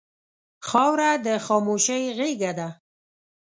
خاوره د خاموشۍ غېږه ده.